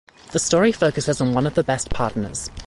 The story focuses on one of the best pardoners.